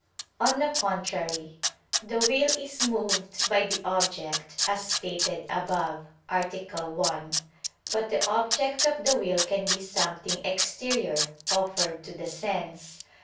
On the contrary, The will is moved by the object, as stated above (A. 1). But the object of the will can be something exterior, offered to the sense.